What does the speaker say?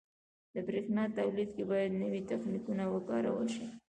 • د برېښنا تولید کې باید نوي تخنیکونه وکارول شي.